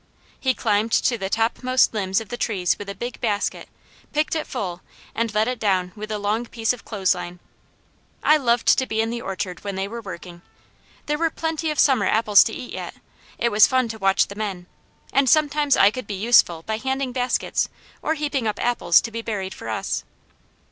He climbed to the topmost limbs of the trees with a big basket, picked it full and let it down with a long piece of clothesline. I loved to be in the orchard when they were working; there were plenty of summer apples to eat yet; it was fun to watch the men, and sometimes I could be useful by handing baskets or heaping up apples to be buried for us.